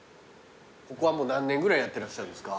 ここは何年ぐらいやってらっしゃるんですか？